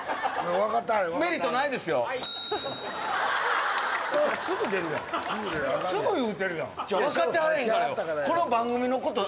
わかってはれへんからよ。